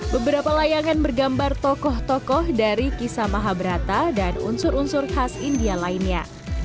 beberapa layangan bergambar tokoh tokoh dari kisah mahabrata dan unsur unsur khas india lainnya